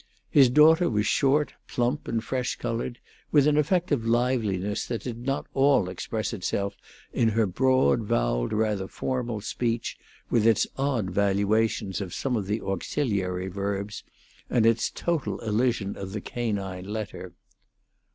His daughter was short, plump, and fresh colored, with an effect of liveliness that did not all express itself in her broad vowelled, rather formal speech, with its odd valuations of some of the auxiliary verbs, and its total elision of the canine letter.